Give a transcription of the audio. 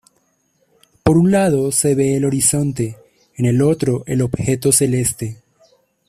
Por un lado, se ve el horizonte, en el otro, el objeto celeste.